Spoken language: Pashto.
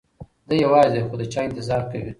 دی یوازې دی خو د چا انتظار کوي.